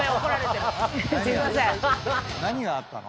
何があったの？